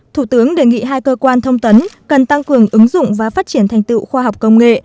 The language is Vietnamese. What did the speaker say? thủ tướng đề nghị hai cơ quan thông tấn cần tăng cường ứng dụng và phát triển thành tựu khoa học công nghệ